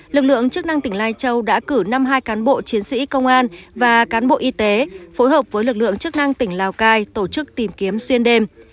lực lượng chức năng tỉnh lai châu đã cử năm hai cán bộ chiến sĩ công an và cán bộ y tế phối hợp với lực lượng chức năng tỉnh lào cai tổ chức tìm kiếm xuyên đêm